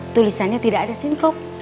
tulisannya tidak ada sinkop